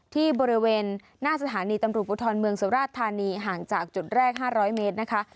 ที่บริเวณหน้าสถานีตำรวจภูทรเมืองสุราชธานีห่างจากจุดแรก๕๐๐เมตรนะคะ